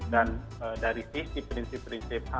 dan dari sisi prinsip prinsipnya